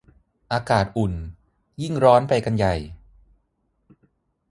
อากาศอุ่น ยิ่งร้อนไปกันใหญ่